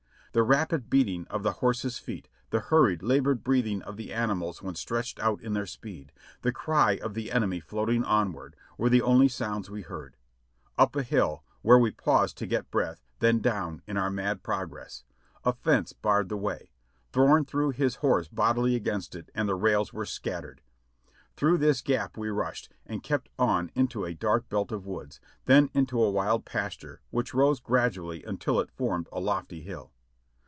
The rapid beating of the horses' feet, the hurried, labored breathing of the animals when stretched out in their speed, the cry of the enemy floating onward, were the only sounds we heard. Up a hill, where we paused to get breath, then down, in our mad progress. A fence barred the way ; Thorne threw his horse bodily against it and the rails were scat tered. Through this gap we rushed, and kept on into a dark belt of woods, then into a wide pasture, which rose gradually until it formed a lofty hill.